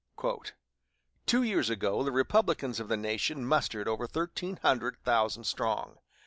"Two years ago the Republicans of the nation mustered over thirteen hundred thousand strong.